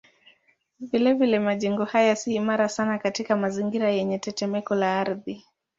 Vilevile majengo haya si imara sana katika mazingira yenye tetemeko la ardhi.